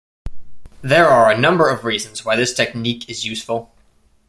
There are a number of reasons why this technique is useful.